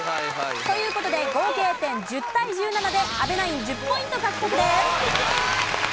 という事で合計点１０対１７で阿部ナイン１０ポイント獲得です。